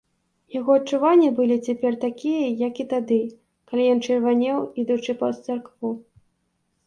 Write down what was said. Яго адчуванні былі цяпер такія, як і тады, калі ён чырванеў, ідучы паўз царкву.